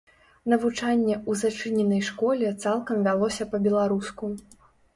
Навучанне у зачыненай школе цалкам вялося па-беларуску.